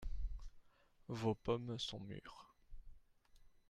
Vos pommes sont mûres.